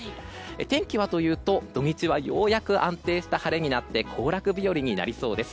天気はというと土日はようやく安定した晴れになって行楽日和になりそうです。